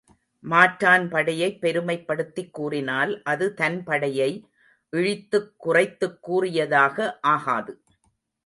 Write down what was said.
மாற்றான் படையைப் பெருமைப்படுத்திக் கூறினால் அது தன் படையை இழித்துக் குறைத்துக் கூறியதாக ஆகாது.